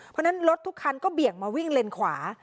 เพราะฉะนั้นรถทุกคันก็เบี่ยงมาวิ่งเลนขวา